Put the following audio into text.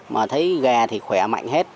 mà thấy gà thì khỏe mạnh hết